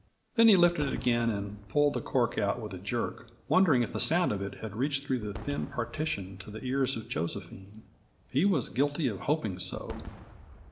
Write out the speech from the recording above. Then he lifted it again and pulled the cork out with a jerk, wondering if the sound of it had reached through the thin partition to the ears of Josephine; he was guilty of hoping so.